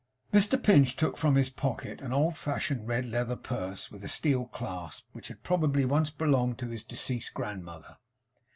Mr Pinch took from his pocket an old fashioned red leather purse with a steel clasp, which had probably once belonged to his deceased grandmother.